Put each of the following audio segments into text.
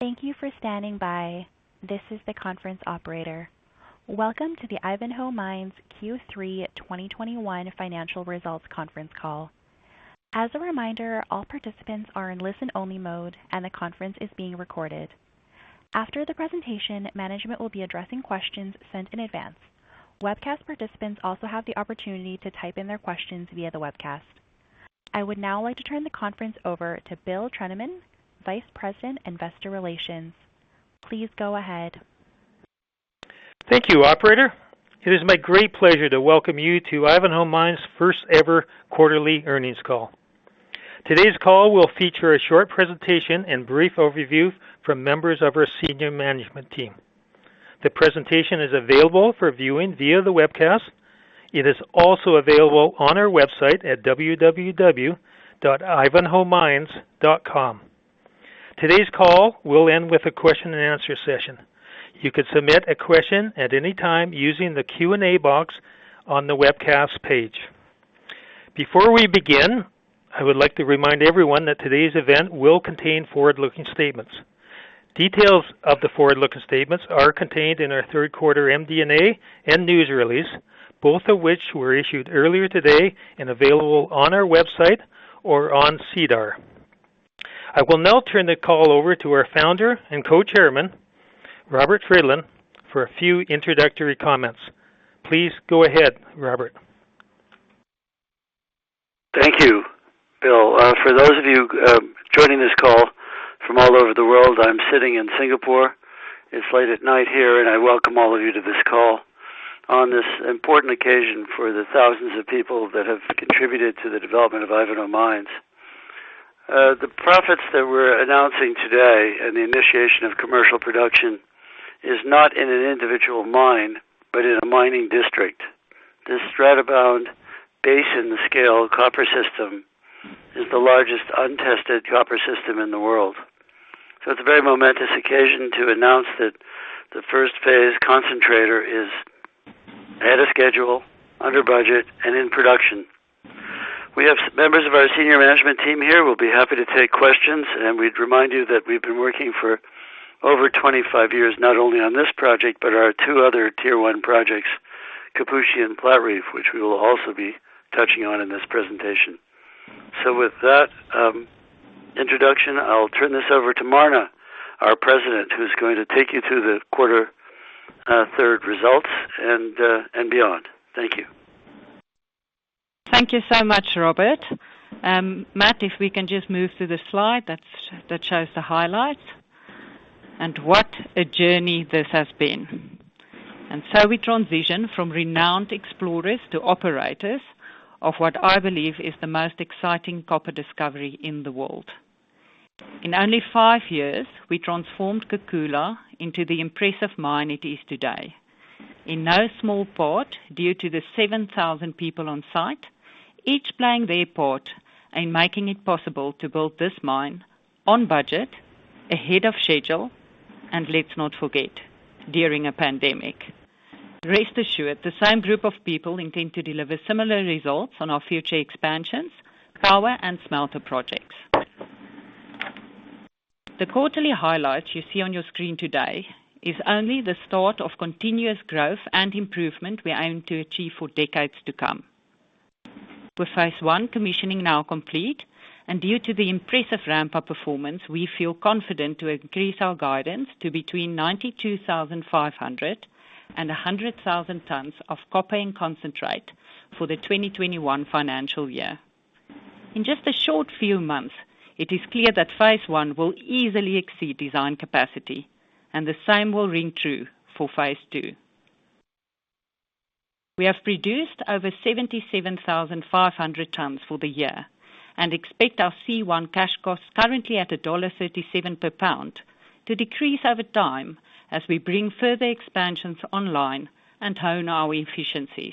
Thank you for standing by. This is the conference operator. Welcome to the Ivanhoe Mines Q3 2021 Financial Results Conference Call. As a reminder, all participants are in listen-only mode, and the conference is being recorded. After the presentation, management will be addressing questions sent in advance. Webcast participants also have the opportunity to type in their questions via the webcast. I would now like to turn the conference over to Bill Trenaman, Vice President, Investor Relations. Please go ahead. Thank you, operator. It is my great pleasure to welcome you to Ivanhoe Mines' first-ever quarterly earnings call. Today's call will feature a short presentation and brief overview from members of our senior management team. The presentation is available for viewing via the webcast. It is also available on our website at www.ivanhoemines.com. Today's call will end with a question-and-answer session. You could submit a question at any time using the Q&A box on the webcast page. Before we begin, I would like to remind everyone that today's event will contain forward-looking statements. Details of the forward-looking statements are contained in our third quarter MD&A and news release, both of which were issued earlier today and available on our website or on SEDAR. I will now turn the call over to our Founder and Co-Chairman, Robert Friedland, for a few introductory comments. Please go ahead, Robert. Thank you, Bill. For those of you joining this call from all over the world, I'm sitting in Singapore. It's late at night here, and I welcome all of you to this call on this important occasion for the thousands of people that have contributed to the development of Ivanhoe Mines. The profits that we're announcing today and the initiation of commercial production is not in an individual mine, but in a mining district. This stratabound basin scale copper system is the largest untested copper system in the world. It's a very momentous occasion to announce that the first phase concentrator is ahead of schedule, under budget and in production. We have members of our senior management team here who will be happy to take questions, and we'd remind you that we've been working for over 25 years, not only on this project but our two other tier one projects, Kipushi and Platreef, which we will also be touching on in this presentation. With that, introduction, I'll turn this over to Marna, our President, who's going to take you through the third quarter results and beyond. Thank you. Thank you so much, Robert. Matt, if we can just move to the slide that shows the highlights. What a journey this has been. We transition from renowned explorers to operators of what I believe is the most exciting copper discovery in the world. In only five years, we transformed Kakula into the impressive mine it is today. In no small part due to the 7,000 people on site, each playing their part in making it possible to build this mine on budget, ahead of schedule, and let's not forget, during a pandemic. Rest assured, the same group of people intend to deliver similar results on our future expansions, power and smelter projects. The quarterly highlights you see on your screen today is only the start of continuous growth and improvement we aim to achieve for decades to come. With phase I commissioning now complete and due to the impressive ramp-up performance, we feel confident to increase our guidance to between 92,500 and 100,000 tons of copper and concentrate for the 2021 financial year. In just a short few months, it is clear that phase I will easily exceed design capacity and the same will ring true for phase II. We have produced over 77,500 tons for the year and expect our C1 cash costs currently at $1.37 per pound to decrease over time as we bring further expansions online and hone our efficiencies.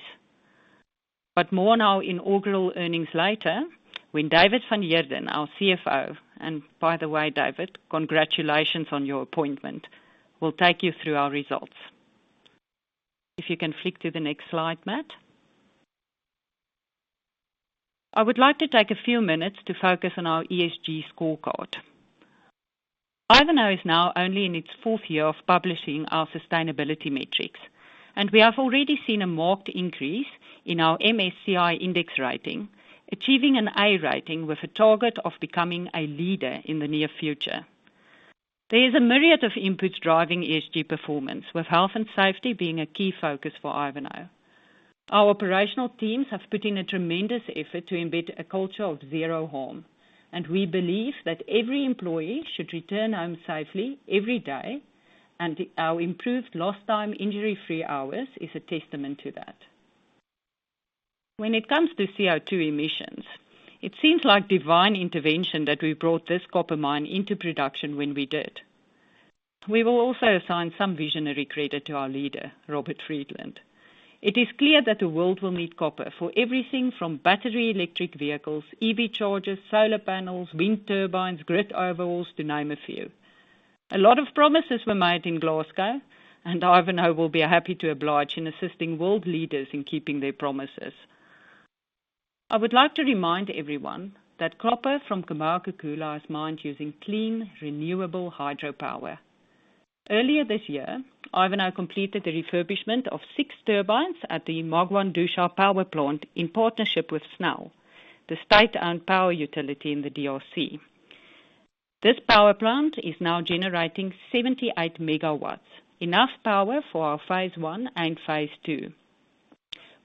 More on our inaugural earnings later when David van Heerden, our CFO, and by the way, David, congratulations on your appointment, will take you through our results. If you can flip to the next slide, Matt. I would like to take a few minutes to focus on our ESG scorecard. Ivanhoe is now only in its fourth year of publishing our sustainability metrics, and we have already seen a marked increase in our MSCI index rating, achieving an A rating with a target of becoming a leader in the near future. There is a myriad of inputs driving ESG performance, with health and safety being a key focus for Ivanhoe. Our operational teams have put in a tremendous effort to embed a culture of zero harm, and we believe that every employee should return home safely every day, and our improved lost time injury-free hours is a testament to that. When it comes to CO2 emissions, it seems like divine intervention that we brought this copper mine into production when we did. We will also assign some visionary credit to our leader, Robert Friedland. It is clear that the world will need copper for everything from battery electric vehicles, EV chargers, solar panels, wind turbines, grid overhauls to name a few. A lot of promises were made in Glasgow, and Ivanhoe will be happy to oblige in assisting world leaders in keeping their promises. I would like to remind everyone that copper from Kamoa-Kakula is mined using clean, renewable hydropower. Earlier this year, Ivanhoe completed the refurbishment of six turbines at the Mwadingusha Power Plant in partnership with SNEL, the state-owned power utility in the DRC. This power plant is now generating 78 MW, enough power for our phase I and phase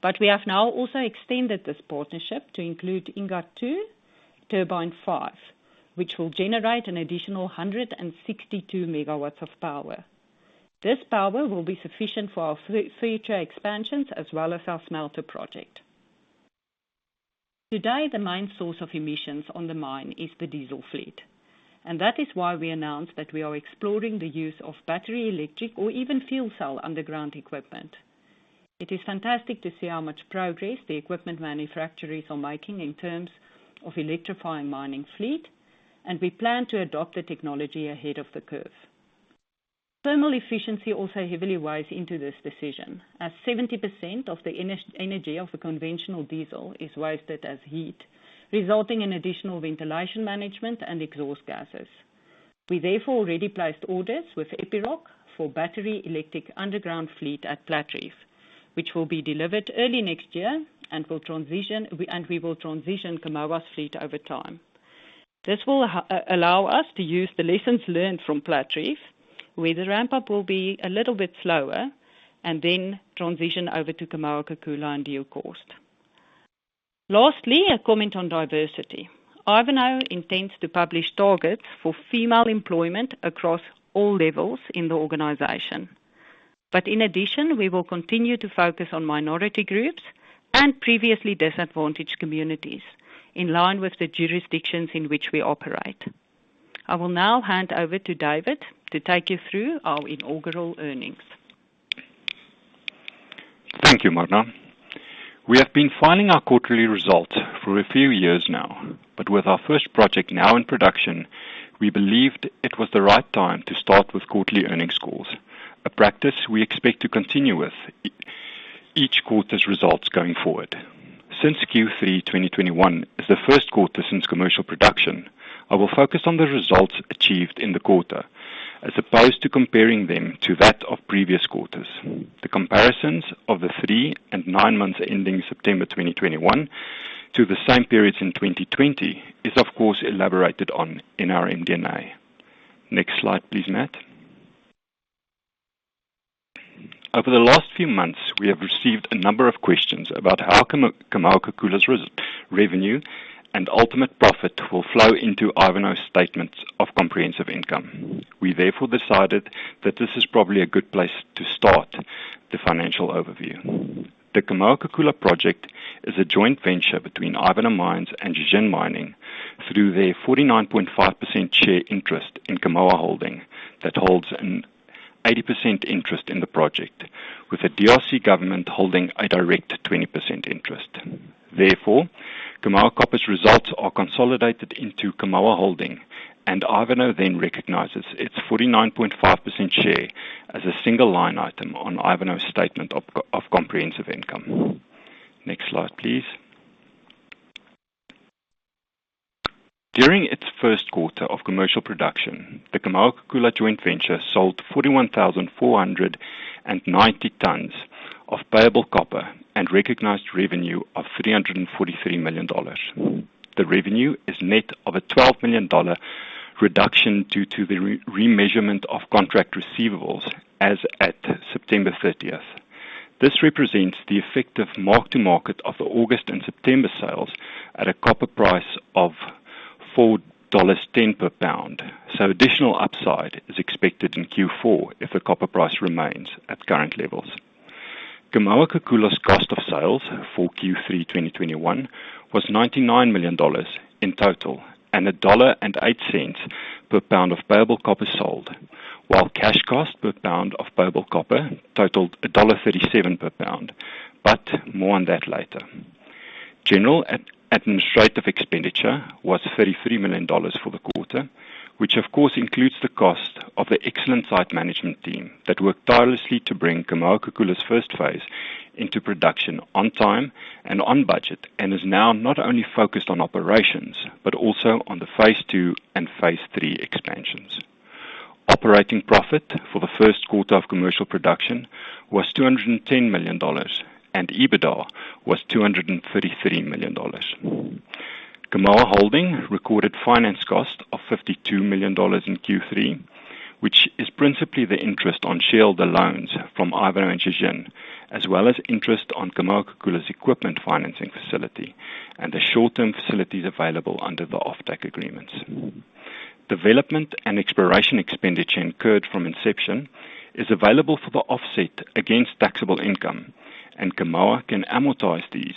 II. We have now also extended this partnership to include Inga II, turbine five, which will generate an additional 162 MW of power. This power will be sufficient for our future expansions as well as our smelter project. Today, the main source of emissions on the mine is the diesel fleet, and that is why we announced that we are exploring the use of battery electric or even fuel cell underground equipment. It is fantastic to see how much progress the equipment manufacturers are making in terms of electrifying mining fleet, and we plan to adopt the technology ahead of the curve. Thermal efficiency also heavily weighs into this decision as 70% of the energy of the conventional diesel is wasted as heat, resulting in additional ventilation management and exhaust gases. We therefore already placed orders with Epiroc for battery electric underground fleet at Platreef, which will be delivered early next year and we will transition Kamoa's fleet over time. This will allow us to use the lessons learned from Platreef, where the ramp-up will be a little bit slower and then transition over to Kamoa-Kakula and deep cost. Lastly, a comment on diversity. Ivanhoe intends to publish targets for female employment across all levels in the organization. In addition, we will continue to focus on minority groups and previously disadvantaged communities in line with the jurisdictions in which we operate. I will now hand over to David to take you through our inaugural earnings. Thank you, Marna. We have been filing our quarterly results for a few years now, but with our first project now in production, we believed it was the right time to start with quarterly earnings calls, a practice we expect to continue with each quarter's results going forward. Since Q3 2021 is the first quarter since commercial production, I will focus on the results achieved in the quarter as opposed to comparing them to that of previous quarters. The comparisons of the three and nine months ending September 2021 to the same periods in 2020 is of course elaborated on in our MD&A. Next slide, please, Matt. Over the last few months, we have received a number of questions about how Kamoa-Kakula's revenue and ultimate profit will flow into Ivanhoe's statement of comprehensive income. We therefore decided that this is probably a good place to start the financial overview. The Kamoa-Kakula project is a joint venture between Ivanhoe Mines and Zijin Mining through their 49.5% share interest in Kamoa Holding. That holds an 80% interest in the project, with the DRC government holding a direct 20% interest. Therefore, Kamoa Copper's results are consolidated into Kamoa Holding, and Ivanhoe then recognizes its 49.5% share as a single line item on Ivanhoe's statement of comprehensive income. Next slide, please. During its first quarter of commercial production, the Kamoa-Kakula joint venture sold 41,490 tons of payable copper and recognized revenue of $343 million. The revenue is net of a $12 million reduction due to the remeasurement of contract receivables as at September 30th. This represents the effective mark to market of the August and September sales at a copper price of $4.10 per pound. Additional upside is expected in Q4 if the copper price remains at current levels. Kamoa-Kakula's cost of sales for Q3 2021 was $99 million in total and $1.08 per pound of payable copper sold, while cash cost per pound of payable copper totaled $1.37 per pound. More on that later. General and administrative expenditure was $33 million for the quarter, which of course includes the cost of the excellent site management team that worked tirelessly to bring Kamoa-Kakula's first phase into production on time and on budget, and is now not only focused on operations, but also on the phase II and phase III expansions. Operating profit for the first quarter of commercial production was $210 million, and EBITDA was $233 million. Kamoa Holding recorded finance cost of $52 million in Q3, which is principally the interest on shareholder loans from Ivanhoe and Zijin, as well as interest on Kamoa-Kakula's equipment financing facility and the short-term facilities available under the offtake agreements. Development and exploration expenditure incurred from inception is available for the offset against taxable income, and Kamoa can amortize these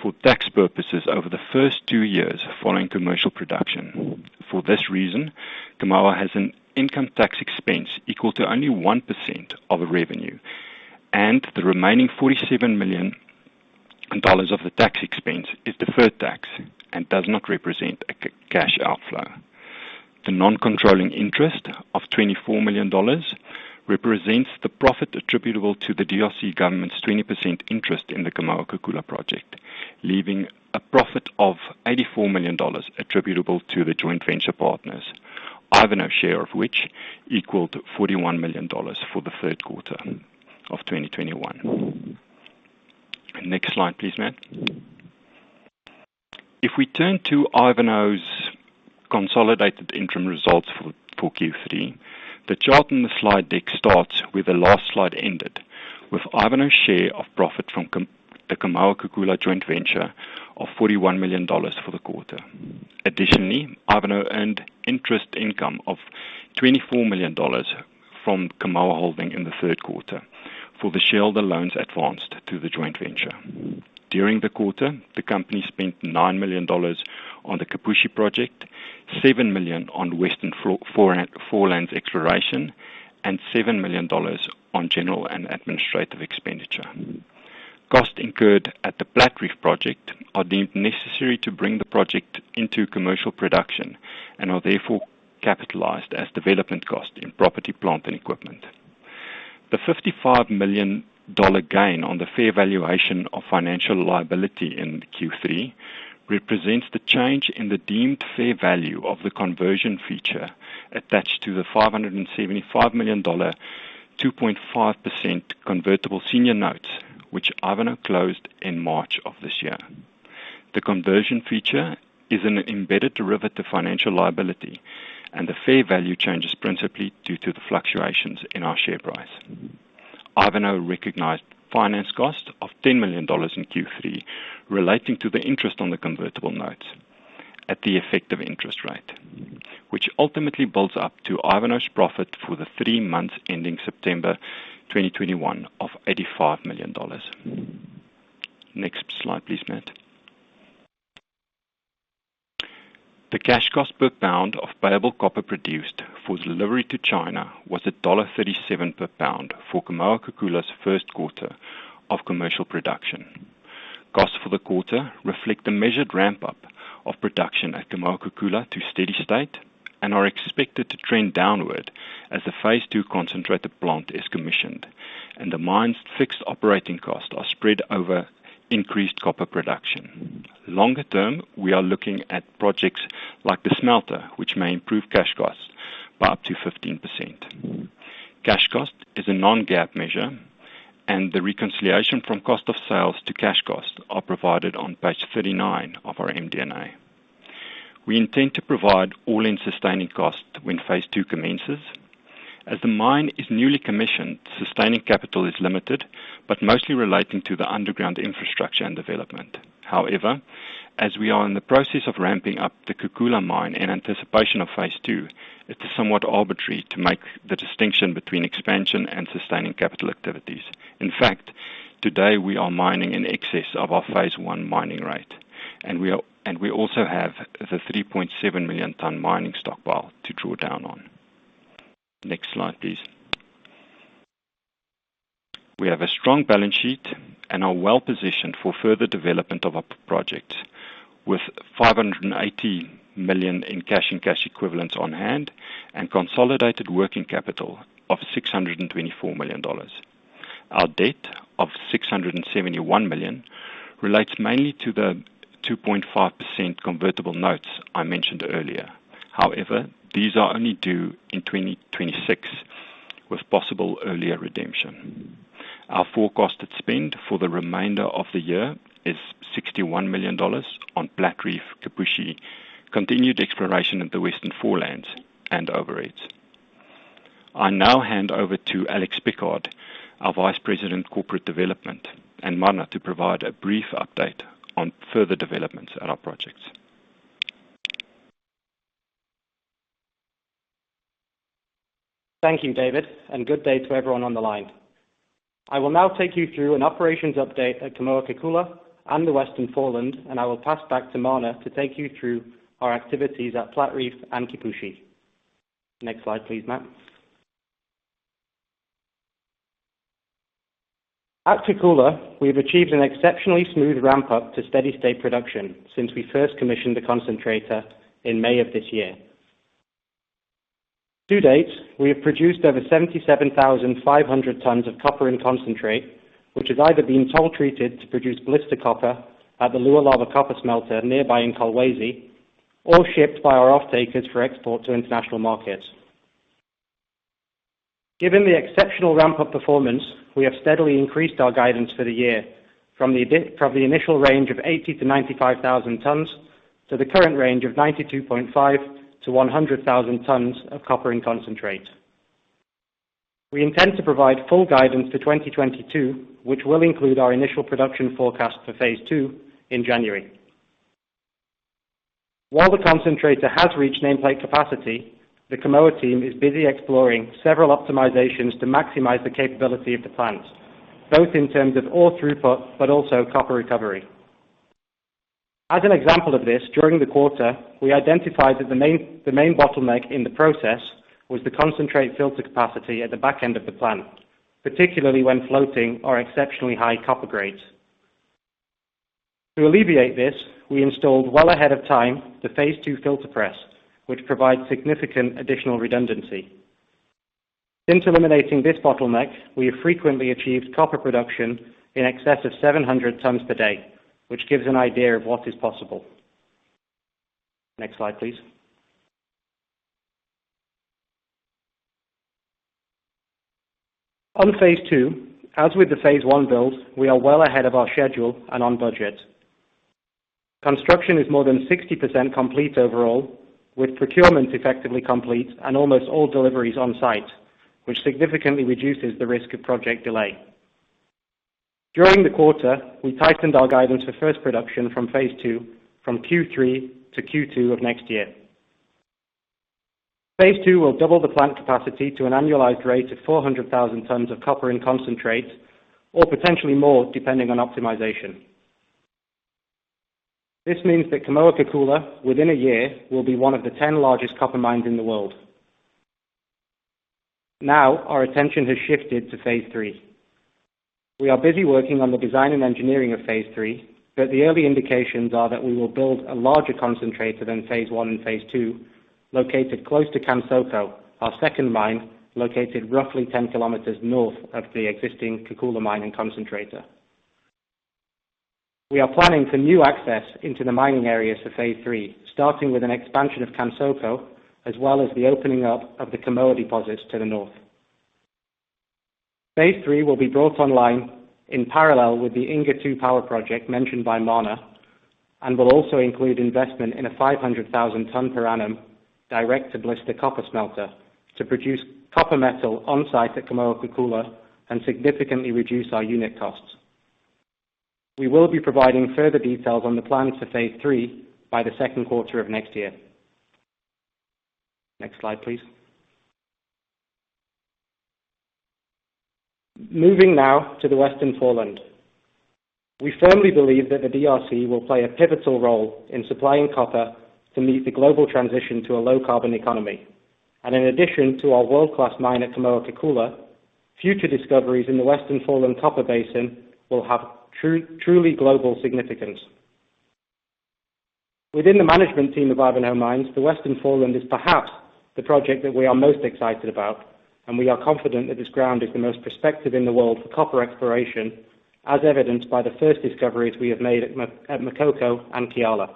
for tax purposes over the first two years following commercial production. For this reason, Kamoa has an income tax expense equal to only 1% of the revenue, and the remaining $47 million of the tax expense is deferred tax and does not represent a cash outflow. The non-controlling interest of $24 million represents the profit attributable to the DRC government's 20% interest in the Kamoa-Kakula project, leaving a profit of $84 million attributable to the joint venture partners. Ivanhoe's share of which equaled $41 million for the third quarter of 2021. Next slide, please, Matt. If we turn to Ivanhoe's consolidated interim results for Q3, the chart in the slide deck starts where the last slide ended, with Ivanhoe's share of profit from the Kamoa-Kakula joint venture of $41 million for the quarter. Ivanhoe earned interest income of $24 million from Kamoa Holding in the third quarter for the shareholder loans advanced to the joint venture. During the quarter, the company spent $9 million on the Kipushi project, $7 million on Western Forelands exploration, and $7 million on general and administrative expenditure. Costs incurred at the Platreef project are deemed necessary to bring the project into commercial production and are therefore capitalized as development costs in property, plant, and equipment. The $55 million gain on the fair valuation of financial liability in Q3 represents the change in the deemed fair value of the conversion feature attached to the $575 million, 2.5% convertible senior notes, which Ivanhoe closed in March of this year. The conversion feature is an embedded derivative financial liability, and the fair value changes principally due to the fluctuations in our share price. Ivanhoe recognized finance costs of $10 million in Q3 relating to the interest on the convertible notes at the effective interest rate, which ultimately builds up to Ivanhoe's profit for the three months ending September 2021 of $85 million. Next slide, please, Matt. The cash cost per pound of payable copper produced for delivery to China was $1.37 per pound for Kamoa-Kakula's first quarter of commercial production. Costs for the quarter reflect the measured ramp-up of production at Kamoa-Kakula to steady state and are expected to trend downward as the phase II concentrator plant is commissioned and the mine's fixed operating costs are spread over increased copper production. Longer term, we are looking at projects like the smelter, which may improve cash costs by up to 15%. Cash cost is a non-GAAP measure, and the reconciliation from cost of sales to cash costs are provided on page 39 of our MD&A. We intend to provide all-in sustaining costs when phase II commences. As the mine is newly commissioned, sustaining capital is limited, but mostly relating to the underground infrastructure and development. However, as we are in the process of ramping up the Kakula mine in anticipation of phase II, it is somewhat arbitrary to make the distinction between expansion and sustaining capital activities. In fact, today we are mining in excess of our phase I mining rate, and we also have the 3.7 million ton mining stockpile to draw down on. Next slide, please. We have a strong balance sheet and are well-positioned for further development of our project with $580 million in cash and cash equivalents on hand and consolidated working capital of $624 million. Our debt of $671 million relates mainly to the 2.5% convertible notes I mentioned earlier. However, these are only due in 2026, with possible earlier redemption. Our forecasted spend for the remainder of the year is $61 million on Platreef, Kipushi, continued exploration of the Western Forelands, and overheads. I now hand over to Alex Pickard, our Vice President, Corporate Development and M&A, to provide a brief update on further developments at our projects. Thank you, David, and good day to everyone on the line. I will now take you through an operations update at Kamoa-Kakula and the Western Forelands, and I will pass back to Marna to take you through our activities at Platreef and Kipushi. Next slide, please, Matt. At Kakula, we have achieved an exceptionally smooth ramp-up to steady-state production since we first commissioned the concentrator in May of this year. To date, we have produced over 77,500 tons of copper in concentrate, which has either been toll treated to produce blister copper at the Lualaba Copper Smelter nearby in Kolwezi, or shipped by our offtakers for export to international markets. Given the exceptional ramp-up performance, we have steadily increased our guidance for the year from the initial range of 80,000-95,000 tons to the current range of 92,500-100,000 tons of copper in concentrate. We intend to provide full guidance to 2022, which will include our initial production forecast for phase II in January. While the concentrator has reached nameplate capacity, the Kamoa team is busy exploring several optimizations to maximize the capability of the plant, both in terms of ore throughput but also copper recovery. As an example of this, during the quarter, we identified that the main bottleneck in the process was the concentrate filter capacity at the back end of the plant, particularly when floating our exceptionally high copper grades. To alleviate this, we installed well ahead of time the phase II filter press, which provides significant additional redundancy. Since eliminating this bottleneck, we have frequently achieved copper production in excess of 700 tons per day, which gives an idea of what is possible. Next slide, please. On phase II, as with the phase I build, we are well ahead of our schedule and on budget. Construction is more than 60% complete overall, with procurement effectively complete and almost all deliveries on site, which significantly reduces the risk of project delay. During the quarter, we tightened our guidance for first production from phase II from Q3 to Q2 of next year. phase II will double the plant capacity to an annualized rate of 400,000 tons of copper in concentrates or potentially more, depending on optimization. This means that Kamoa-Kakula, within a year, will be one of the 10 largest copper mines in the world. Now our attention has shifted to phase III. We are busy working on the design and engineering of phase III, but the early indications are that we will build a larger concentrator than phase I and phase II, located close to Kansoko, our second mine, located roughly 10 km north of the existing Kakula mine and concentrator. We are planning for new access into the mining areas for phase III, starting with an expansion of Kansoko as well as the opening up of the Kamoa deposits to the north. phase III will be brought online in parallel with the Inga II Power project mentioned by Marna, and will also include investment in a 500,000 ton per annum direct to blister copper smelter to produce copper metal on site at Kamoa-Kakula and significantly reduce our unit costs. We will be providing further details on the plans for phase III by the second quarter of next year. Next slide, please. Moving now to the Western Forelands. We firmly believe that the DRC will play a pivotal role in supplying copper to meet the global transition to a low carbon economy. In addition to our world class mine at Kamoa-Kakula, future discoveries in the Western Forelands copper basin will have truly global significance. Within the management team of Ivanhoe Mines, the Western Forelands is perhaps the project that we are most excited about, and we are confident that this ground is the most prospective in the world for copper exploration, as evidenced by the first discoveries we have made at Makoko and Kiala.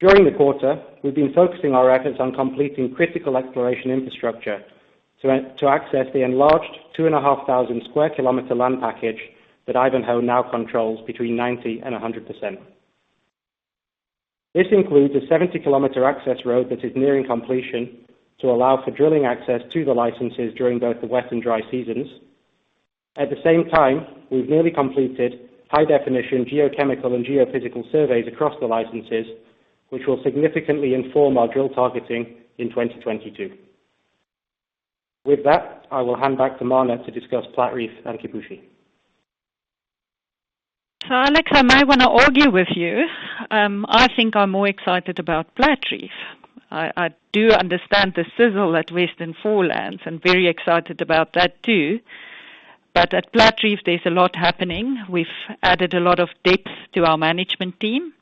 During the quarter, we've been focusing our efforts on completing critical exploration infrastructure to access the enlarged 2,500 sq km land package that Ivanhoe now controls between 90% and 100%. This includes a 70 km access road that is nearing completion to allow for drilling access to the licenses during both the wet and dry seasons. At the same time, we've nearly completed high-definition geochemical and geophysical surveys across the licenses, which will significantly inform our drill targeting in 2022. With that, I will hand back to Marna to discuss Platreef and Kipushi. Alex, I may wanna argue with you. I think I'm more excited about Platreef. I do understand the sizzle at Western Forelands. I'm very excited about that too. At Platreef there's a lot happening. We've added a lot of depth to our management team,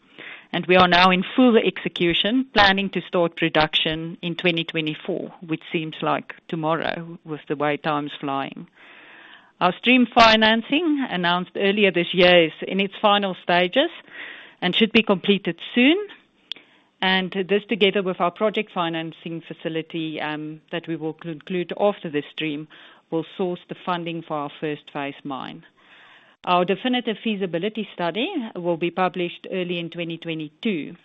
and we are now in full execution, planning to start production in 2024, which seems like tomorrow with the way time's flying. Our stream financing, announced earlier this year, is in its final stages and should be completed soon. This, together with our project financing facility, that we will conclude after this stream, will source the funding for our first phase mine. Our definitive feasibility study will be published early in 2022.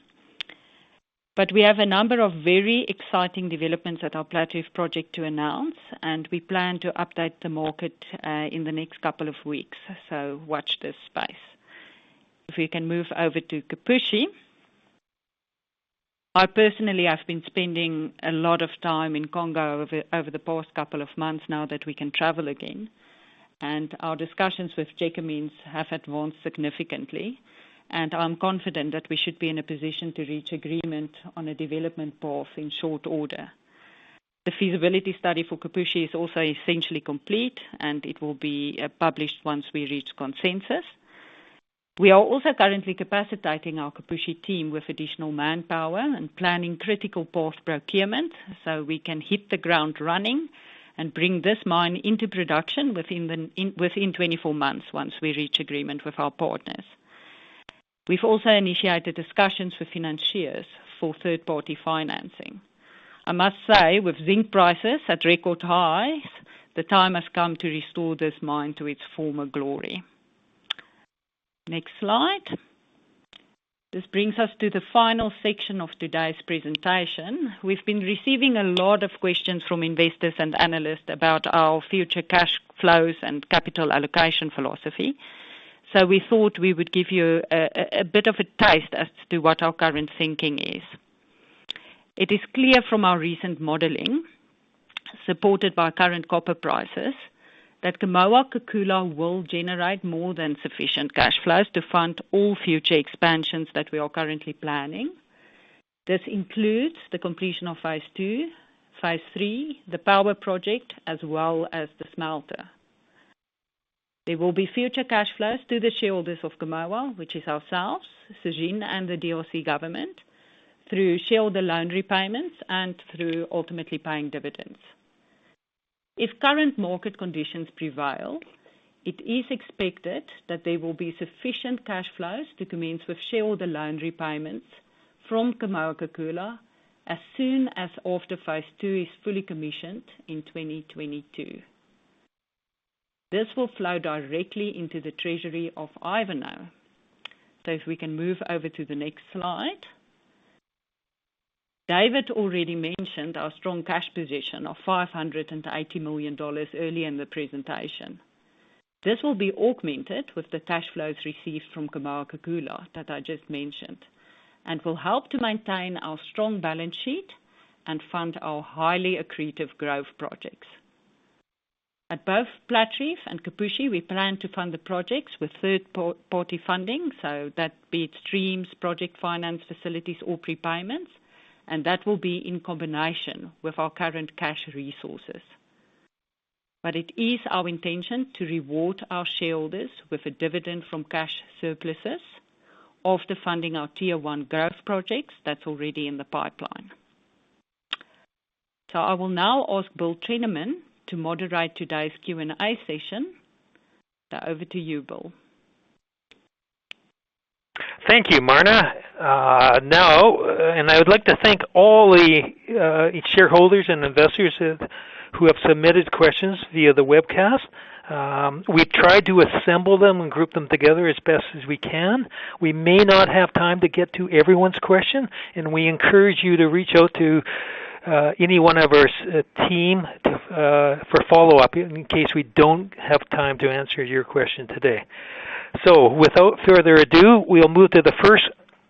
We have a number of very exciting developments at our Platreef project to announce, and we plan to update the market in the next couple of weeks, so watch this space. If we can move over to Kipushi. I personally have been spending a lot of time in Congo over the past couple of months now that we can travel again, and our discussions with Gécamines have advanced significantly, and I'm confident that we should be in a position to reach agreement on a development path in short order. The feasibility study for Kipushi is also essentially complete, and it will be published once we reach consensus. We are also currently capacitating our Kipushi team with additional manpower and planning critical path procurement so we can hit the ground running and bring this mine into production within 24 months once we reach agreement with our partners. We've also initiated discussions with financiers for third-party financing. I must say, with zinc prices at record highs, the time has come to restore this mine to its former glory. Next slide. This brings us to the final section of today's presentation. We've been receiving a lot of questions from investors and analysts about our future cash flows and capital allocation philosophy, so we thought we would give you a bit of a taste as to what our current thinking is. It is clear from our recent modeling, supported by current copper prices, that Kamoa-Kakula will generate more than sufficient cash flows to fund all future expansions that we are currently planning. This includes the completion of phase II, phase III, the power project, as well as the smelter. There will be future cash flows to the shareholders of Kamoa, which is ourselves, Zijin, and the DRC government, through shareholder loan repayments and through ultimately paying dividends. If current market conditions prevail, it is expected that there will be sufficient cash flows to commence with shareholder loan repayments from Kamoa-Kakula as soon as after phase II is fully commissioned in 2022. This will flow directly into the treasury of Ivanhoe. If we can move over to the next slide. David already mentioned our strong cash position of $580 million early in the presentation. This will be augmented with the cash flows received from Kamoa-Kakula that I just mentioned, and will help to maintain our strong balance sheet and fund our highly accretive growth projects. At both Platreef and Kipushi, we plan to fund the projects with third-party funding, so that be it streams, project finance facilities or prepayments. That will be in combination with our current cash resources. It is our intention to reward our shareholders with a dividend from cash surpluses after funding our tier one growth projects that's already in the pipeline. I will now ask Bill Trenaman to moderate today's Q&A session. Over to you, Bill. Thank you, Marna. Now, I would like to thank all the shareholders and investors who have submitted questions via the webcast. We've tried to assemble them and group them together as best as we can. We may not have time to get to everyone's question, and we encourage you to reach out to any one of our team for follow-up in case we don't have time to answer your question today. Without further ado, we'll move to the first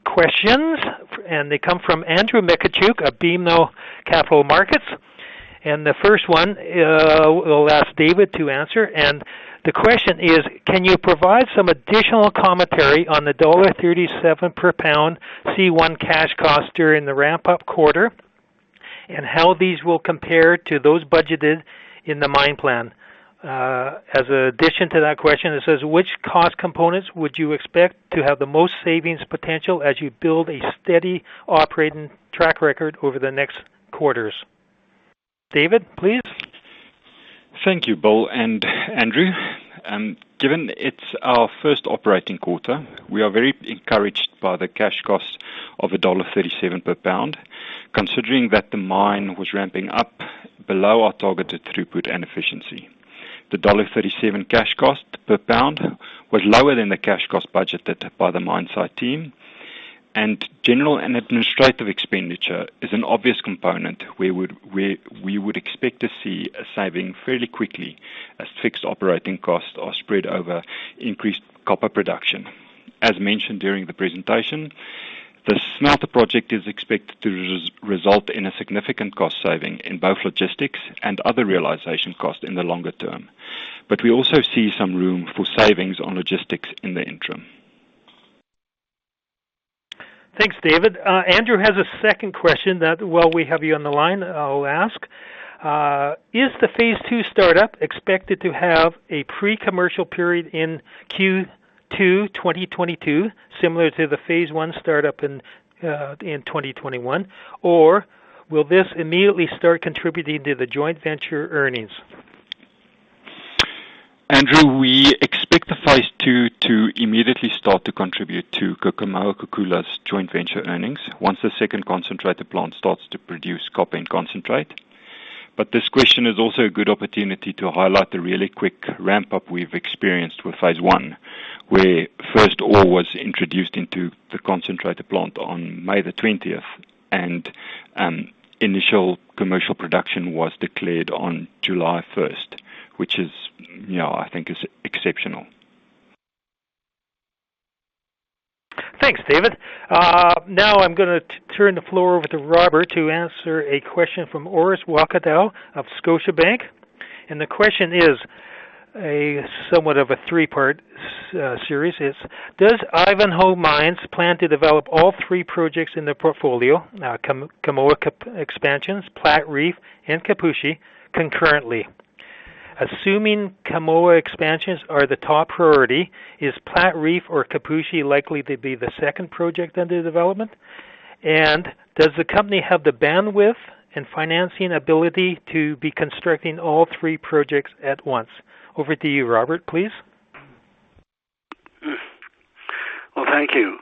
question, and they come from Andrew Mikitchook of BMO Capital Markets. The first one, we'll ask David to answer. The question is, can you provide some additional commentary on the $37 per pound C1 cash cost during the ramp up quarter, and how these will compare to those budgeted in the mine plan? As an addition to that question, it says, which cost components would you expect to have the most savings potential as you build a steady operating track record over the next quarters? David, please. Thank you, Bill and Andrew. Given it's our first operating quarter, we are very encouraged by the cash cost of $1.37 per pound, considering that the mine was ramping up below our targeted throughput and efficiency. The $1.37 cash cost per pound was lower than the cash cost budgeted by the mine site team. General and administrative expenditure is an obvious component where we would expect to see a saving fairly quickly as fixed operating costs are spread over increased copper production. As mentioned during the presentation, the smelter project is expected to result in a significant cost saving in both logistics and other realization costs in the longer term. We also see some room for savings on logistics in the interim. Thanks, David. Andrew has a second question that while we have you on the line, I'll ask. Is the phase II startup expected to have a pre-commercial period in Q2 2022, similar to the phase I startup in 2021? Or will this immediately start contributing to the joint venture earnings? Andrew, we expect the phase II to immediately start to contribute to Kamoa-Kakula's joint venture earnings once the second concentrator plant starts to produce copper and concentrate. This question is also a good opportunity to highlight the really quick ramp up we've experienced with phase I, where first ore was introduced into the concentrator plant on May 20, and initial commercial production was declared on July 1, which is, you know, I think is exceptional. Thanks, David. Now I'm gonna turn the floor over to Robert to answer a question from Orest Wowkodaw of Scotiabank. The question is somewhat of a three-part series. It's, does Ivanhoe Mines plan to develop all three projects in their portfolio, Kamoa expansions, Platreef, and Kipushi concurrently? Assuming Kamoa expansions are the top priority, is Platreef or Kipushi likely to be the second project under development? And does the company have the bandwidth and financing ability to be constructing all three projects at once? Over to you, Robert, please. Well, thank you.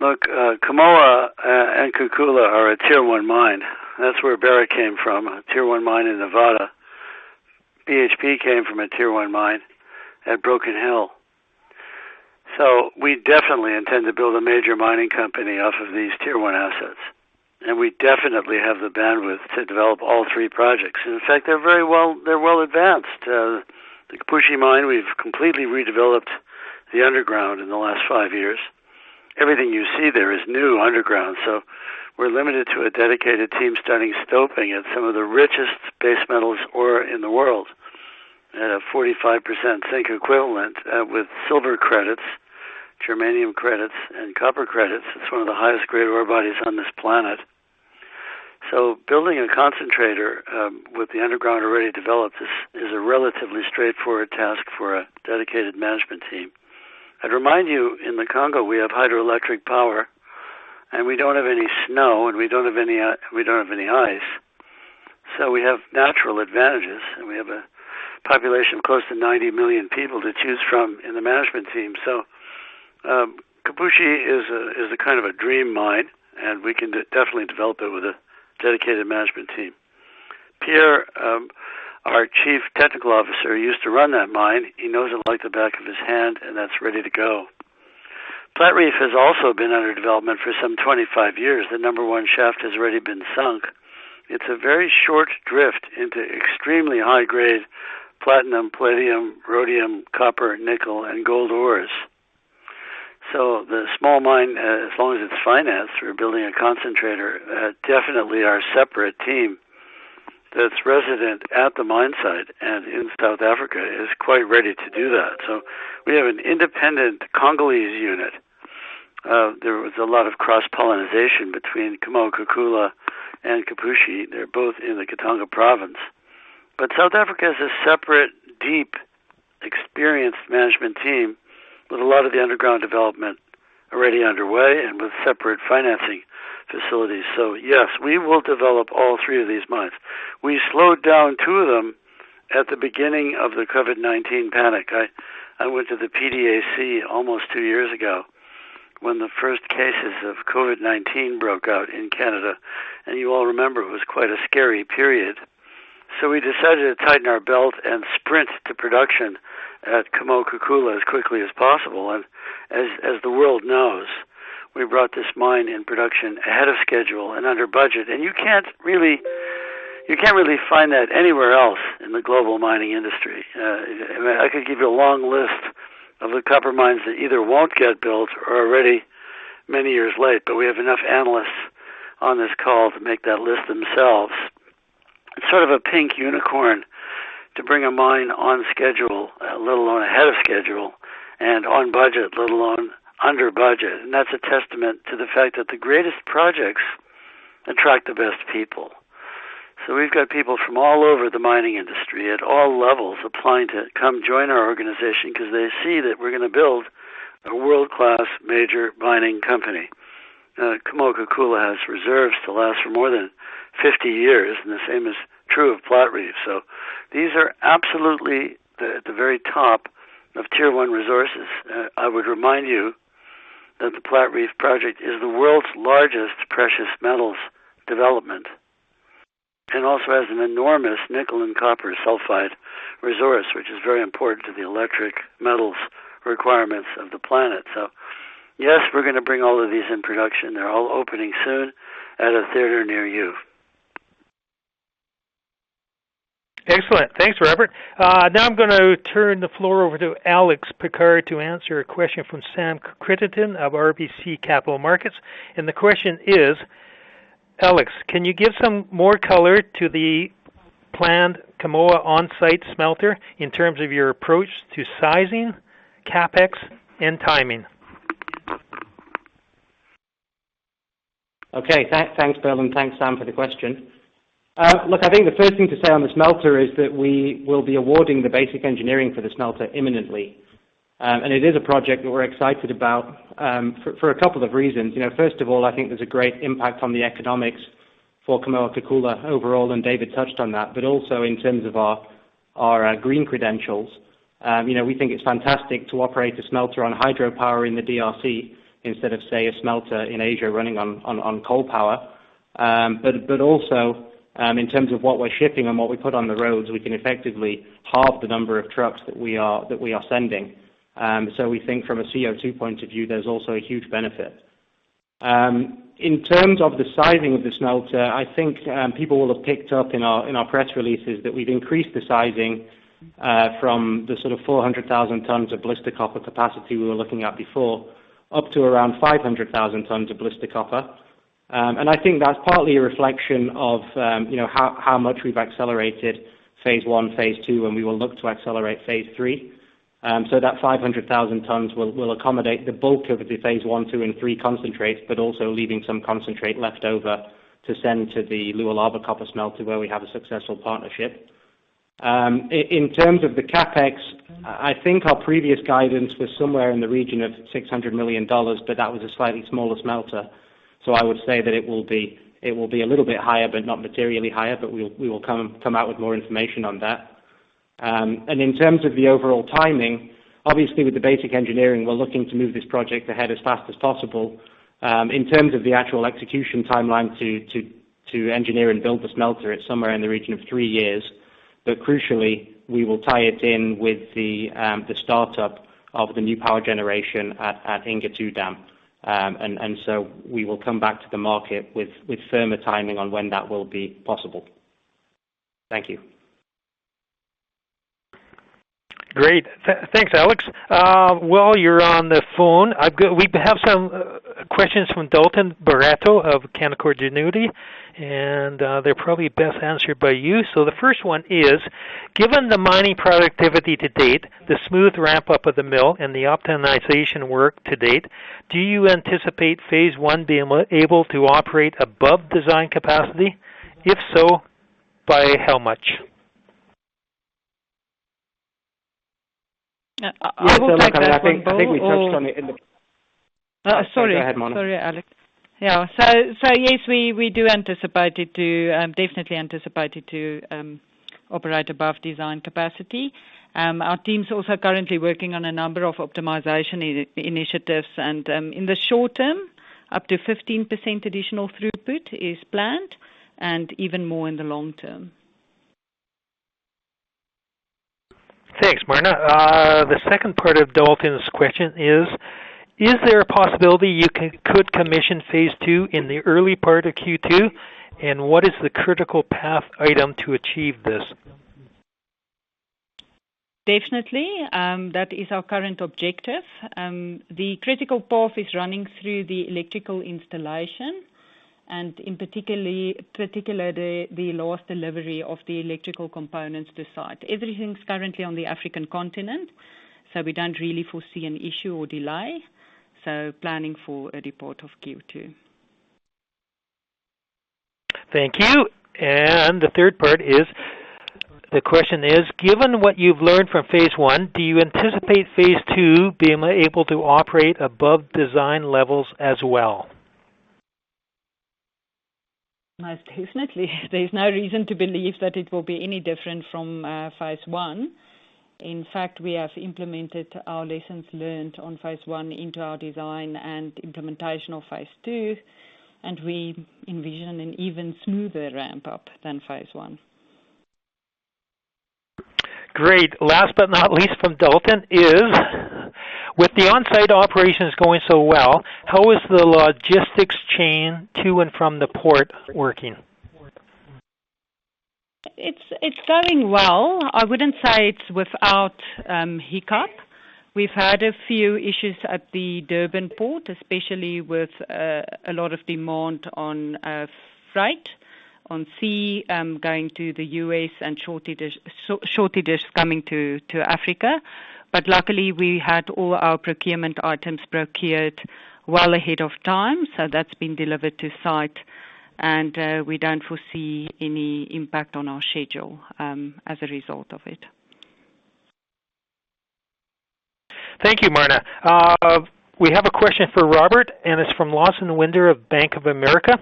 Look, Kamoa and Kakula are a tier one mine. That's where Barrick came from, a tier one mine in Nevada. BHP came from a tier one mine at Broken Hill. We definitely intend to build a major mining company off of these tier one assets. We definitely have the bandwidth to develop all three projects. In fact, they're well advanced. The Kipushi mine, we've completely redeveloped the underground in the last five years. Everything you see there is new underground. We're limited to a dedicated team starting stoping at some of the richest base metals ore in the world. At a 45% zinc equivalent, with silver credits, germanium credits, and copper credits. It's one of the highest grade ore bodies on this planet. Building a concentrator, with the underground already developed is a relatively straightforward task for a dedicated management team. I'd remind you, in the Congo, we have hydroelectric power, and we don't have any snow, and we don't have any ice. We have natural advantages, and we have a population of close to 90 million people to choose from in the management team. Kipushi is a kind of a dream mine, and we can definitely develop it with a dedicated management team. Pierre, our Chief Technical Officer, used to run that mine. He knows it like the back of his hand, and that's ready to go. Platreef has also been under development for some 25 years. The number one shaft has already been sunk. It's a very short drift into extremely high-grade platinum, palladium, rhodium, copper, nickel, and gold ores. The small mine, as long as it's financed, we're building a concentrator. Definitely our separate team that's resident at the mine site and in South Africa is quite ready to do that. We have an independent Congolese unit. There was a lot of cross-pollination between Kamoa-Kakula and Kipushi. They're both in the Katanga province. South Africa has a separate, deep, experienced management team with a lot of the underground development already underway and with separate financing facilities. Yes, we will develop all three of these mines. We slowed down two of them at the beginning of the COVID-19 panic. I went to the PDAC almost two years ago when the first cases of COVID-19 broke out in Canada. You all remember it was quite a scary period. We decided to tighten our belt and sprint to production at Kamoa-Kakula as quickly as possible. The world knows we brought this mine in production ahead of schedule and under budget. You can't really find that anywhere else in the global mining industry. I could give you a long list of the copper mines that either won't get built or are already many years late, but we have enough analysts on this call to make that list themselves. It's sort of a pink unicorn to bring a mine on schedule, let alone ahead of schedule and on budget, let alone under budget. That's a testament to the fact that the greatest projects attract the best people. We've got people from all over the mining industry at all levels applying to come join our organization because they see that we're gonna build a world-class major mining company. Kamoa-Kakula has reserves to last for more than 50 years, and the same is true of Platreef. These are absolutely the very top of tier one resources. I would remind you that the Platreef project is the world's largest precious metals development, and also has an enormous nickel and copper sulfide resource, which is very important to the electric metals requirements of the planet. Yes, we're gonna bring all of these in production. They're all opening soon at a theater near you. Excellent. Thanks, Robert. Now I'm gonna turn the floor over to Alex Pickard to answer a question from Sam Crittenden of RBC Capital Markets. The question is, Alex, can you give some more color to the planned Kamoa on-site smelter in terms of your approach to sizing, CapEx, and timing? Okay. Thanks, Bill, and thanks, Sam, for the question. Look, I think the first thing to say on the smelter is that we will be awarding the basic engineering for the smelter imminently. It is a project that we're excited about for a couple of reasons. You know, first of all, I think there's a great impact on the economics for Kamoa-Kakula overall, and David touched on that, but also in terms of our green credentials. You know, we think it's fantastic to operate a smelter on hydropower in the DRC instead of, say, a smelter in Asia running on coal power. Also, in terms of what we're shipping and what we put on the roads, we can effectively halve the number of trucks that we are sending. We think from a CO2 point of view, there's also a huge benefit. In terms of the sizing of the smelter, I think people will have picked up in our press releases that we've increased the sizing from the sort of 400,000 tons of blister copper capacity we were looking at before, up to around 500,000 tons of blister copper. I think that's partly a reflection of you know how much we've accelerated phase I, phase II, and we will look to accelerate phase III. That 500,000 tons will accommodate the bulk of the phase I, two, and three concentrates, but also leaving some concentrate left over to send to the Lualaba Copper Smelter where we have a successful partnership. In terms of the CapEx, I think our previous guidance was somewhere in the region of $600 million, but that was a slightly smaller smelter. I would say that it will be a little bit higher, but not materially higher. We will come out with more information on that. In terms of the overall timing, obviously with the basic engineering, we're looking to move this project ahead as fast as possible. In terms of the actual execution timeline to engineer and build the smelter, it's somewhere in the region of 3 years. Crucially, we will tie it in with the startup of the new power generation at Inga II Dam. We will come back to the market with firmer timing on when that will be possible. Thank you. Great. Thanks, Alex. While you're on the phone, we have some questions from Dalton Baretto of Canaccord Genuity, and they're probably best answered by you. The first one is, given the mining productivity to date, the smooth ramp-up of the mill, and the optimization work to date, do you anticipate phase I being able to operate above design capacity? If so, by how much? I would like to. Yes, I think we touched on it in the Sorry. Go ahead, Marna. Sorry, Alex. Yeah. Yes, we do anticipate it to definitely operate above design capacity. Our team's also currently working on a number of optimization initiatives and, in the short term, up to 15% additional throughput is planned and even more in the long term. Thanks, Marna. The second part of Dalton's question is there a possibility you could commission phase II in the early part of Q2, and what is the critical path item to achieve this? Definitely. That is our current objective. The critical path is running through the electrical installation and, particularly, the last delivery of the electrical components to site. Everything's currently on the African continent, so we don't really foresee an issue or delay, so planning for a pour of Q2. Thank you. The third part is, the question is, given what you've learned from phase I, do you anticipate phase II being able to operate above design levels as well? Most definitely. There's no reason to believe that it will be any different from phase I. In fact, we have implemented our lessons learned on phase I into our design and implementation of phase II, and we envision an even smoother ramp-up than phase I. Great. Last but not least from Dalton is, with the on-site operations going so well, how is the logistics chain to and from the port working? It's going well. I wouldn't say it's without hiccup. We've had a few issues at the Durban port, especially with a lot of demand on freight on sea going to the U.S. and shortages coming to Africa. Luckily, we had all our procurement items procured well ahead of time, so that's been delivered to site and we don't foresee any impact on our schedule as a result of it. Thank you, Marna. We have a question for Robert, and it's from Lawson Winder of Bank of America.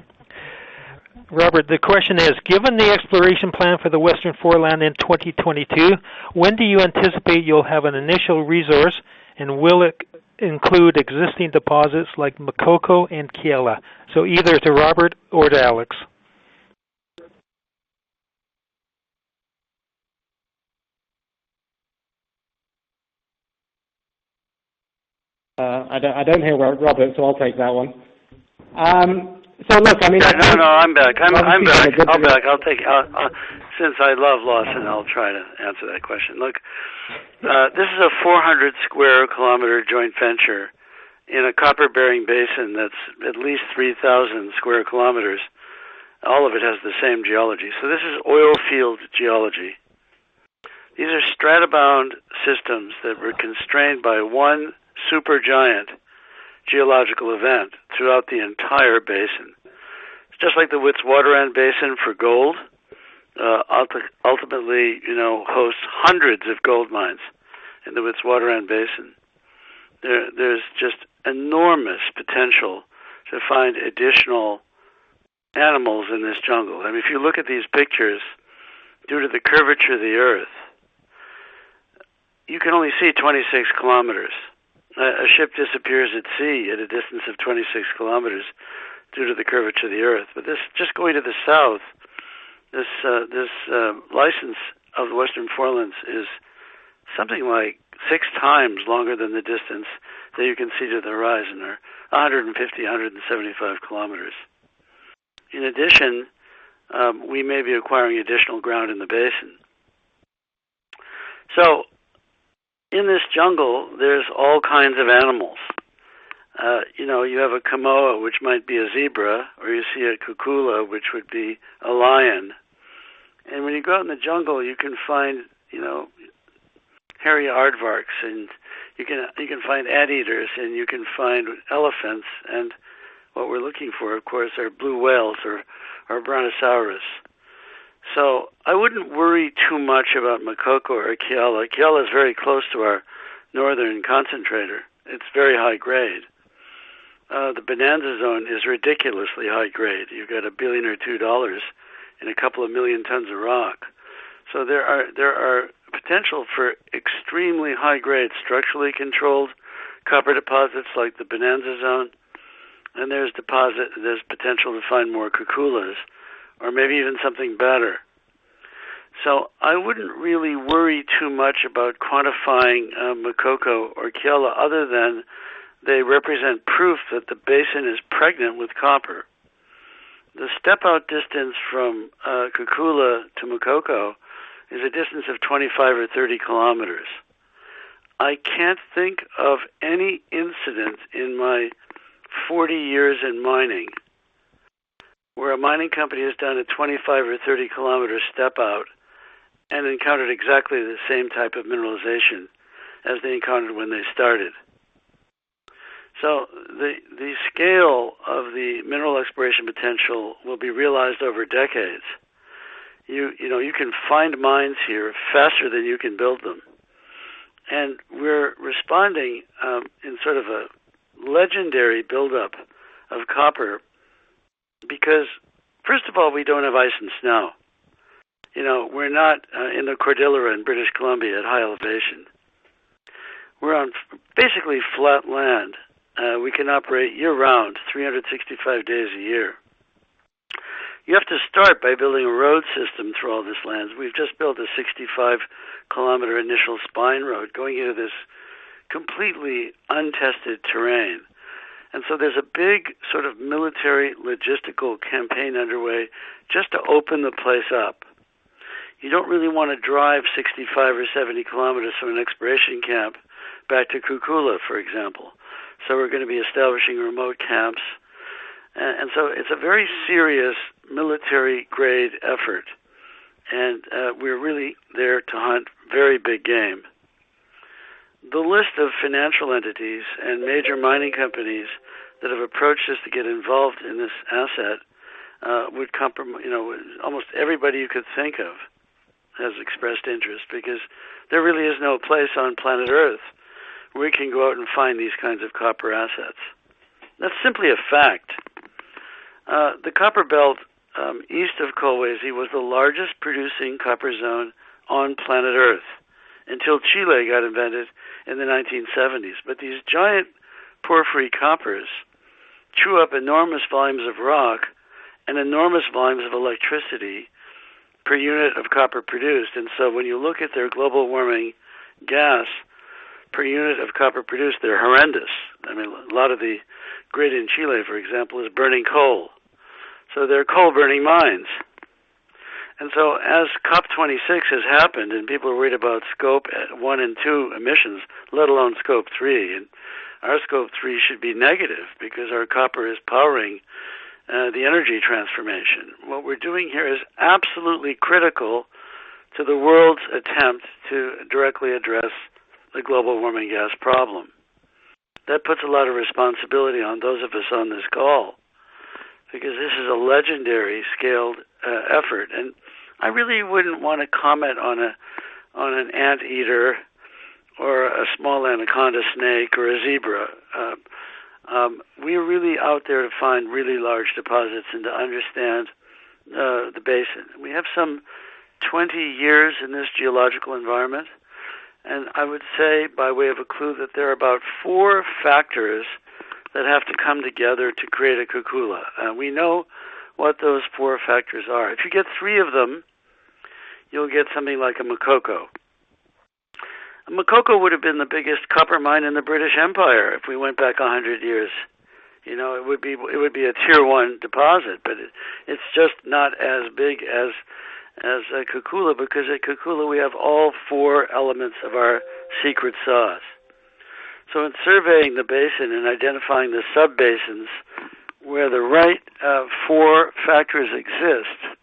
Robert, the question is, given the exploration plan for the Western Forelands in 2022, when do you anticipate you'll have an initial resource, and will it include existing deposits like Makoko and Kiala? Either to Robert or to Alex. I don't hear Robert, so I'll take that one. Look, I mean. No, I'm back. I'll take since I love Lawson, I'll try to answer that question. Look, this is a 400 sq km joint venture in a copper-bearing basin that's at least 3,000 sq km. All of it has the same geology. This is oil field geology. These are strata-bound systems that were constrained by one super giant geological event throughout the entire basin. It's just like the Witwatersrand Basin for gold. Ultimately, you know, hosts hundreds of gold mines in the Witwatersrand Basin. There's just enormous potential to find additional anomalies in this jungle. I mean, if you look at these pictures, due to the curvature of the earth, you can only see 26 km. A ship disappears at sea at a distance of 26 km due to the curvature of the earth. This, just going to the south, this license of the Western Forelands is something like six times longer than the distance that you can see to the horizon there, 150-175 km. In addition, we may be acquiring additional ground in the basin. In this jungle, there's all kinds of animals. You know, you have a Kamoa, which might be a zebra, or you see a Kakula, which would be a lion. When you go out in the jungle, you can find, you know, hairy aardvarks, and you can find anteaters, and you can find elephants. What we're looking for, of course, are blue whales or brontosaurus. I wouldn't worry too much about Makoko or Kiala. Kiala is very close to our northern concentrator. It's very high grade. The Bonanza Zone is ridiculously high grade. You've got $1 billion or $2 billion in a couple of million tons of rock. There are potential for extremely high-grade, structurally controlled copper deposits like the Bonanza Zone, and there's potential to find more Kakulas or maybe even something better. I wouldn't really worry too much about quantifying Makoko or Kiala other than they represent proof that the basin is pregnant with copper. Step out distance from Kakula to Makoko is a distance of 25 or 30 km. I can't think of any incident in my 40 years in mining where a mining company has done a 25 or 30 km step out and encountered exactly the same type of mineralization as they encountered when they started. The scale of the mineral exploration potential will be realized over decades. You know, you can find mines here faster than you can build them. We're responding in sort of a legendary build-up of copper because first of all, we don't have ice and snow. You know, we're not in the Cordillera in British Columbia at high elevation. We're on basically flat land. We can operate year-round, 365 days a year. You have to start by building a road system through all this lands. We've just built a 65 km initial spine road going into this completely untested terrain. There's a big sort of military logistical campaign underway just to open the place up. You don't really wanna drive 65 or 70 km from an exploration camp back to Kakula, for example. We're gonna be establishing remote camps. It's a very serious military-grade effort, and we're really there to hunt very big game. The list of financial entities and major mining companies that have approached us to get involved in this asset would, you know, almost everybody you could think of has expressed interest because there really is no place on planet Earth where you can go out and find these kinds of copper assets. That's simply a fact. The copper belt east of Kolwezi was the largest producing copper zone on planet Earth until Chile got invented in the 1970s. These giant porphyry coppers chew up enormous volumes of rock and enormous volumes of electricity per unit of copper produced. When you look at their global warming gas per unit of copper produced, they're horrendous. I mean, a lot of the grid in Chile, for example, is burning coal. They're coal-burning mines. As COP26 has happened and people read about Scope 1 and 2 emissions, let alone Scope 3, and our Scope 3 should be negative because our copper is powering the energy transformation. What we're doing here is absolutely critical to the world's attempt to directly address the global warming gas problem. That puts a lot of responsibility on those of us on this call because this is a legendary scaled effort. I really wouldn't wanna comment on an anteater or a small anaconda snake or a zebra. We're really out there to find really large deposits and to understand the basin. We have some 20 years in this geological environment, and I would say by way of a clue, that there are about four factors that have to come together to create a Kakula. We know what those four factors are. If you get three of them, you'll get something like a Makoko. Makoko would've been the biggest copper mine in the British Empire if we went back 100 years. You know, it would be, it would be a tier one deposit, but it's just not as big as a Kakula because at Kakula we have all four elements of our secret sauce. In surveying the basin and identifying the sub-basins where the right four factors exist,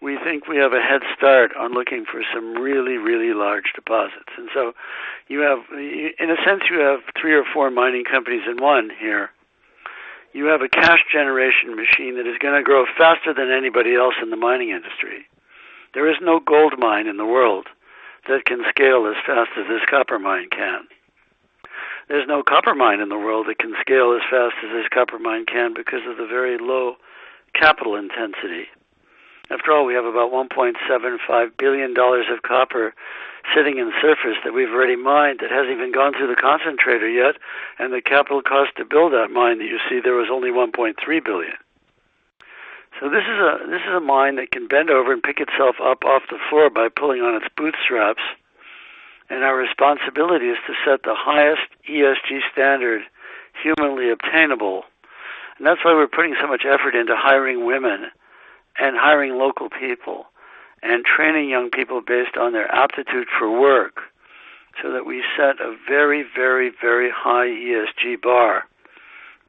we think we have a head start on looking for some really, really large deposits. You have, in a sense, you have three or four mining companies in one here. You have a cash generation machine that is gonna grow faster than anybody else in the mining industry. There is no gold mine in the world that can scale as fast as this copper mine can. There's no copper mine in the world that can scale as fast as this copper mine can because of the very low capital intensity. After all, we have about $1.75 billion of copper sitting in surface that we've already mined that hasn't even gone through the concentrator yet. The capital cost to build that mine that you see there was only $1.3 billion. This is a mine that can bend over and pick itself up off the floor by pulling on its bootstraps, and our responsibility is to set the highest ESG standard humanly obtainable. That's why we're putting so much effort into hiring women and hiring local people and training young people based on their aptitude for work so that we set a very high ESG bar.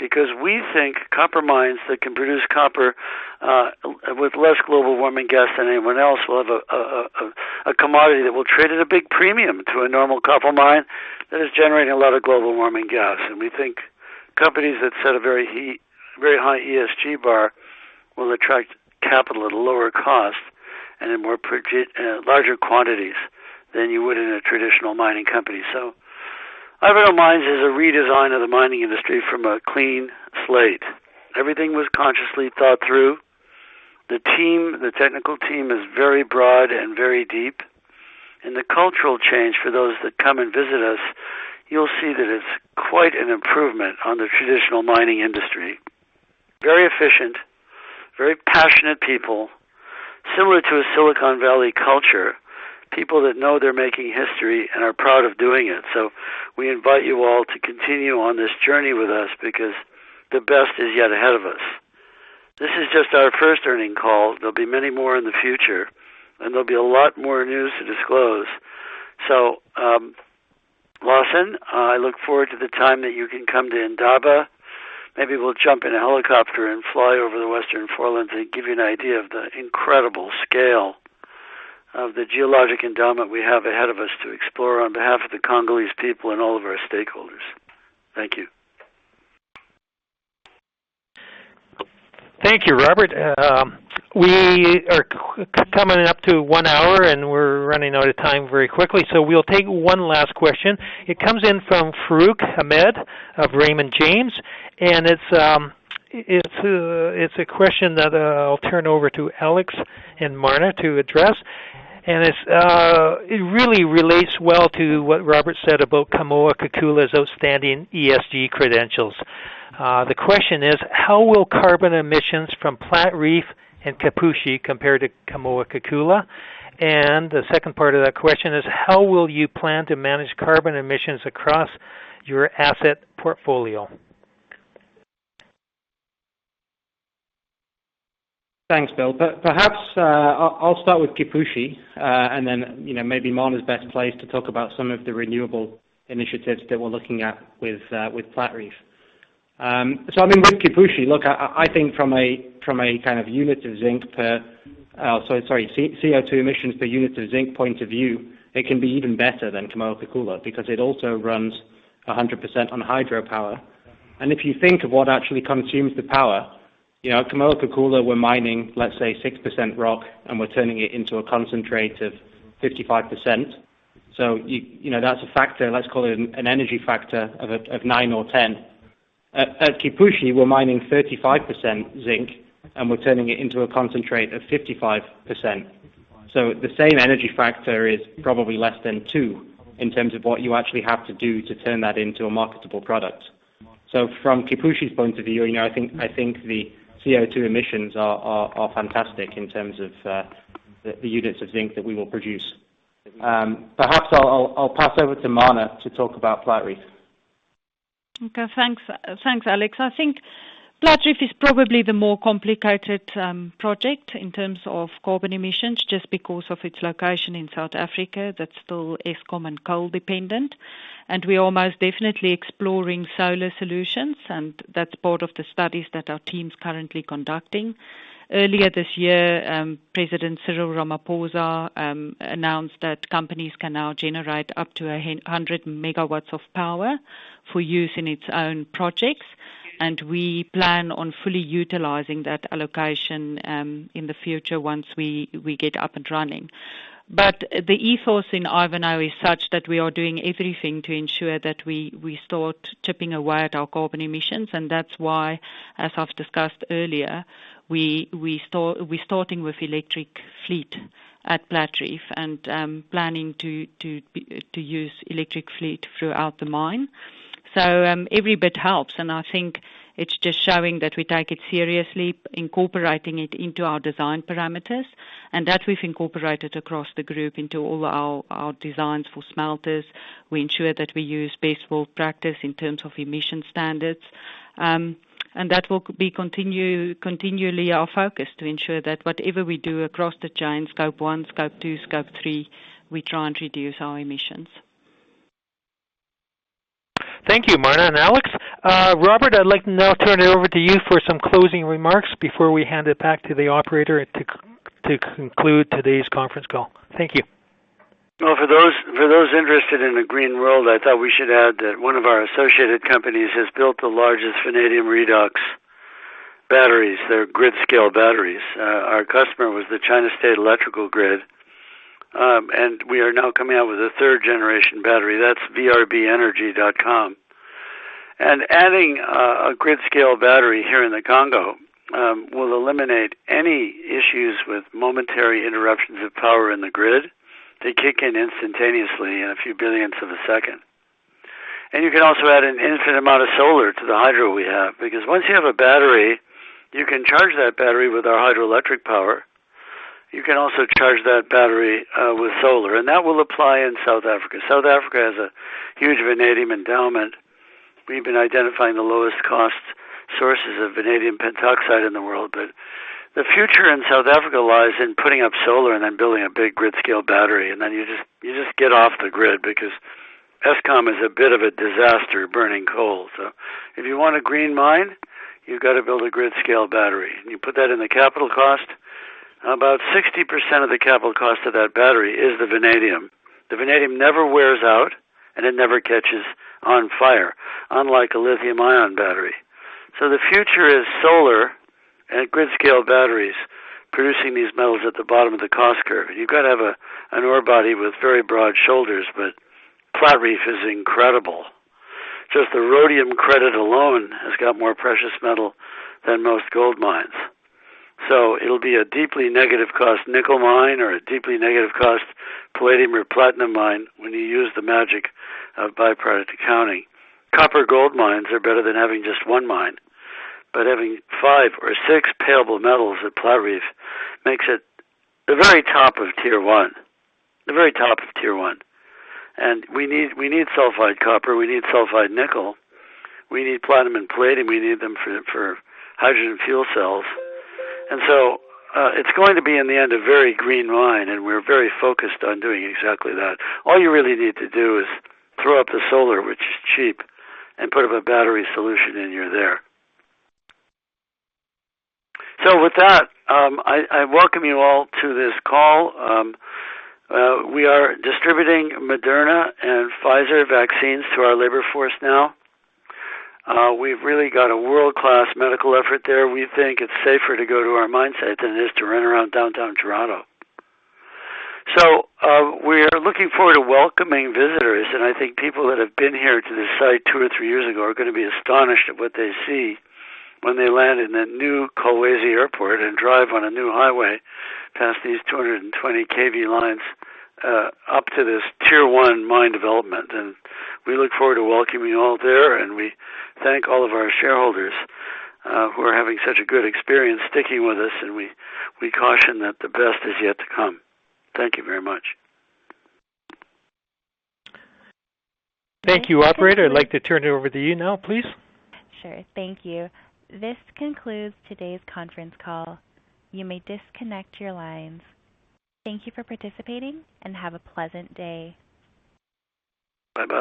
Because we think copper mines that can produce copper with less global warming gas than anyone else will have a commodity that will trade at a big premium to a normal copper mine that is generating a lot of global warming gas. We think companies that set a very high ESG bar will attract capital at a lower cost and in larger quantities than you would in a traditional mining company. Ivanhoe Mines is a redesign of the mining industry from a clean slate. Everything was consciously thought through. The team, the technical team is very broad and very deep. The cultural change for those that come and visit us, you'll see that it's quite an improvement on the traditional mining industry. Very efficient, very passionate people. Similar to a Silicon Valley culture, people that know they're making history and are proud of doing it. We invite you all to continue on this journey with us because the best is yet ahead of us. This is just our first earnings call. There'll be many more in the future, and there'll be a lot more news to disclose. Lawson, I look forward to the time that you can come to Indaba. Maybe we'll jump in a helicopter and fly over the Western Forelands and give you an idea of the incredible scale of the geologic endowment we have ahead of us to explore on behalf of the Congolese people and all of our stakeholders. Thank you. Thank you, Robert. We are coming up to one hour, and we're running out of time very quickly. We'll take one last question. It comes in from Farooq Hamed of Raymond James, and it's a question that I'll turn over to Alex and Marna to address. It really relates well to what Robert said about Kamoa-Kakula's outstanding ESG credentials. The question is: how will carbon emissions from Platreef and Kipushi compare to Kamoa-Kakula? The second part of that question is: how will you plan to manage carbon emissions across your asset portfolio? Thanks, Bill. Perhaps I'll start with Kipushi, and then, you know, maybe Marna's best placed to talk about some of the renewable initiatives that we're looking at with Platreef. I mean, with Kipushi, look, I think from a kind of unit of zinc per CO2 emissions per unit of zinc point of view, it can be even better than Kamoa-Kakula because it also runs 100% on hydropower. If you think of what actually consumes the power, you know, at Kamoa-Kakula, we're mining, let's say, 6% rock, and we're turning it into a concentrate of 55%, so you know, that's a factor, let's call it an energy factor of nine or 10. At Kipushi, we're mining 35% zinc, and we're turning it into a concentrate of 55%. The same energy factor is probably less than two in terms of what you actually have to do to turn that into a marketable product. From Kipushi's point of view, you know, I think the CO2 emissions are fantastic in terms of the units of zinc that we will produce. Perhaps I'll pass over to Marna to talk about Platreef. Okay, thanks. Thanks, Alex. I think Platreef is probably the more complicated project in terms of carbon emissions just because of its location in South Africa that's still Eskom and coal dependent. We are most definitely exploring solar solutions, and that's part of the studies that our team's currently conducting. Earlier this year, President Cyril Ramaphosa announced that companies can now generate up to 100 MW of power for use in its own projects, and we plan on fully utilizing that allocation in the future once we get up and running. The ethos in Ivanhoe is such that we are doing everything to ensure that we start chipping away at our carbon emissions. That's why, as I've discussed earlier, we're starting with electric fleet at Platreef and planning to use electric fleet throughout the mine. Every bit helps, and I think it's just showing that we take it seriously, incorporating it into our design parameters, and that we've incorporated across the group into all our designs for smelters. We ensure that we use best world practice in terms of emission standards. That will continue to be our focus to ensure that whatever we do across the chain, Scope 1, Scope 2, Scope 3, we try and reduce our emissions. Thank you, Marna and Alex. Robert, I'd like to now turn it over to you for some closing remarks before we hand it back to the operator and to conclude today's conference call. Thank you. Well, for those interested in the green world, I thought we should add that one of our associated companies has built the largest vanadium redox batteries. They're grid scale batteries. Our customer was the State Grid Corporation of China. We are now coming out with a third generation battery. That's vrbenergy.com. Adding a grid scale battery here in the Congo will eliminate any issues with momentary interruptions of power in the grid. They kick in instantaneously in a few billionths of a second. You can also add an infinite amount of solar to the hydro we have. Because once you have a battery, you can charge that battery with our hydroelectric power. You can also charge that battery with solar, and that will apply in South Africa. South Africa has a huge vanadium endowment. We've been identifying the lowest cost sources of vanadium pentoxide in the world. The future in South Africa lies in putting up solar and then building a big grid scale battery, and then you just get off the grid because Eskom is a bit of a disaster burning coal. If you want a green mine, you've got to build a grid scale battery, and you put that in the capital cost. About 60% of the capital cost of that battery is the vanadium. The vanadium never wears out, and it never catches on fire, unlike a lithium ion battery. The future is solar and grid scale batteries producing these metals at the bottom of the cost curve. You've got to have an ore body with very broad shoulders, but Platreef is incredible. Just the rhodium credit alone has got more precious metal than most gold mines. It'll be a deeply negative cost nickel mine or a deeply negative cost palladium or platinum mine when you use the magic of by-product accounting. Copper gold mines are better than having just one mine. Having five or six payable metals at Platreef makes it the very top of tier one, the very top of tier one. We need sulfide copper, we need sulfide nickel, we need platinum and palladium, we need them for hydrogen fuel cells. It's going to be, in the end, a very green mine, and we're very focused on doing exactly that. All you really need to do is throw up the solar, which is cheap, and put up a battery solution, and you're there. With that, I welcome you all to this call. We are distributing Moderna and Pfizer vaccines to our labor force now. We've really got a world-class medical effort there. We think it's safer to go to our mine site than it is to run around downtown Toronto. We are looking forward to welcoming visitors, and I think people that have been here to this site two or three years ago are gonna be astonished at what they see when they land in that new Kolwezi Airport and drive on a new highway past these 220 kV lines up to this tier one mine development. We look forward to welcoming you all there, and we thank all of our shareholders who are having such a good experience sticking with us, and we caution that the best is yet to come. Thank you very much. Thank you. Operator, I'd like to turn it over to you now, please. Sure. Thank you. This concludes today's conference call. You may disconnect your lines. Thank you for participating, and have a pleasant day. Bye-bye.